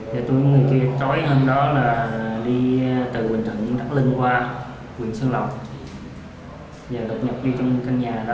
và tôi với một người kia tối hôm đó là đi từ bình thận đắp lên qua quyền sơn lộc